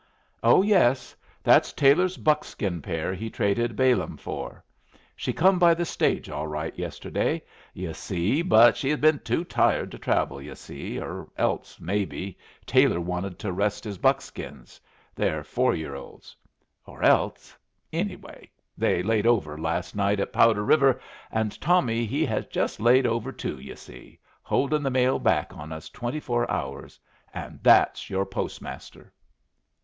Oh yes. That's Taylor's buckskin pair he traded Balaam for. She come by the stage all right yesterday, yu' see, but she has been too tired to travel, yu' see, or else, maybe, Taylor wanted to rest his buckskins they're four year olds. Or else anyway, they laid over last night at Powder River, and Tommy he has just laid over too, yu' see, holdin' the mail back on us twenty four hours and that's your postmaster!"